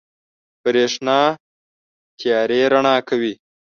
برېښنا تيارې رڼا کوي.